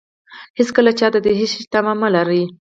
هېڅکله چاته د هېڅ شي تمه مه لرئ.